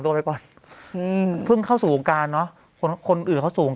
ไปปล่อยอืมเพิ่งเข้าสู่วงการเนอะคนคนอื่นเขาสูง